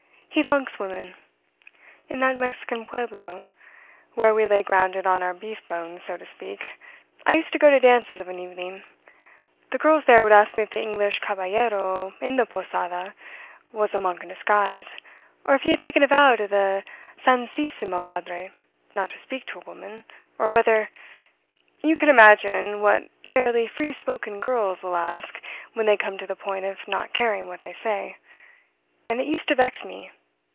He funks women. In that Mexican pueblo where we lay grounded on our beef bones, so to speak, I used to go to dances of an evening. The girls there would ask me if the English caballero in the posada was a monk in disguise, or if he had taken a vow to the sancissima madre not to speak to a woman, or whether You can imagine what fairly free spoken girls will ask when they come to the point of not caring what they say; and it used to vex me.